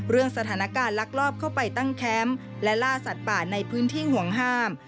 เรื่องสถานการณ์ลักลอบเข้าไปตั้งแคมป์และล่าสัตว์ป่าในพื้นที่ห่วงห้าม